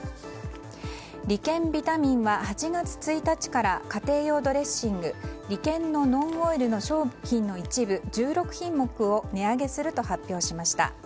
理研ビタミンは、８月１日から家庭用ドレッシングリケンのノンオイルの商品の一部１６品目を値上げすると発表しました。